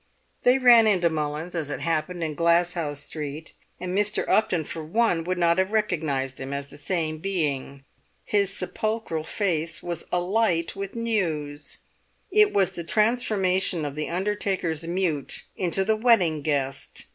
They ran into Mullins, as it happened, in Glasshouse Street, and Mr. Upton for one would not have recognised him as the same being. His sepulchral face was alight with news—it was the transformation of the undertaker's mute into the wedding guest.